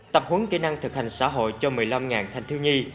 tập huấn kỹ năng thực hành xã hội cho một mươi năm thành thiếu nhi